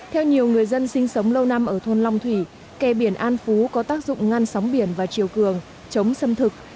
theo nhiều người dân sinh sống lâu năm ở thôn long thủy kè biển an phú có tác dụng ngăn sóng biển và chiều cường chống xâm thực